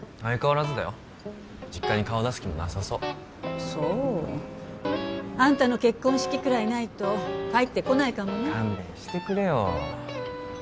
相変わらずだよ実家に顔出す気もなさそうそうあんたの結婚式くらいないと帰ってこないかもね勘弁してくれよ